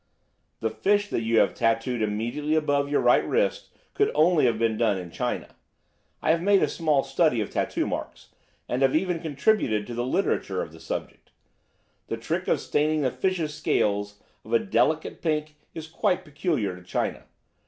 "The fish that you have tattooed immediately above your right wrist could only have been done in China. I have made a small study of tattoo marks and have even contributed to the literature of the subject. That trick of staining the fishes' scales of a delicate pink is quite peculiar to China.